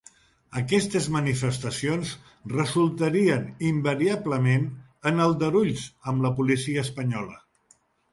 Aquestes manifestacions resultarien invariablement en aldarulls amb la policia espanyola